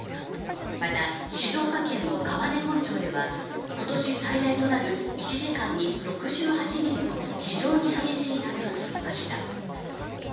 また、静岡県の川根本町では今年最大となる１時間に６８ミリの非常に激しい雨が降りました。